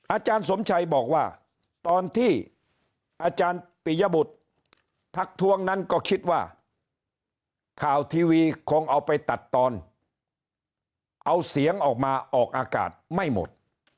อาจารย์สมชัยบอกว่าตอนที่อาจารย์ปิยบุตรทักทวงนั้นก็คิดว่าข่าวทีวีคงเอาไปตัดตอนเอาเสียงออกมาออกอากาศไม่หมด